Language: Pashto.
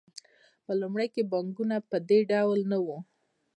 په لومړیو کې بانکونه په دې ډول نه وو